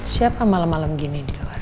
siapa malam malam gini di luar